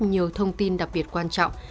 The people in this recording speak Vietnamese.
nhiều thông tin đặc biệt quan trọng